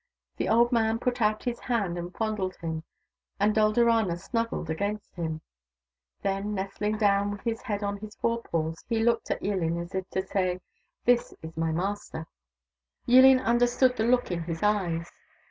The old man put out his hand and fondled him, and Dulderana snuggled against him ; then, nestling down with his head on his fore paws, he looked at Yillin as if to say, " This is my master." i84 THE DAUGHTERS OF WONKAWALA Yillin understood the look in his eyes.